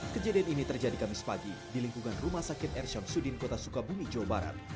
kejadian ini terjadi kamis pagi di lingkungan rumah sakit er syamsuddin kota sukabumi jawa barat